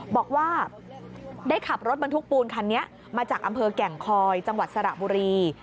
บอกว่าได้ขับรถบรรทุกปูนคันนี้มาจากอำเภอแก่งคอยจังหวัดสระบุรี